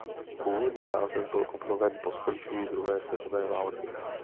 Původní název byl obnoven po skončení druhé světové války.